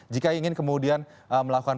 jika ingin kemudian melakukan